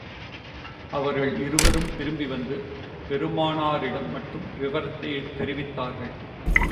அவர்கள் இருவரும் திரும்பி வந்து, பெருமானாரிடம் மட்டும் விவரத்தைத் தெரிவித்தார்கள்.